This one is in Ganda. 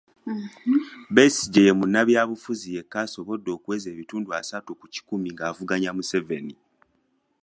Besigye ye munnabyabufuzi yekka asobodde okuweza ebitundu asatu ku kikumi ng'avuganya Museveni.